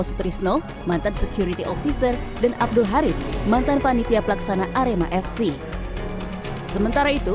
sutrisno mantan security officer dan abdul haris mantan panitia pelaksana arema fc sementara itu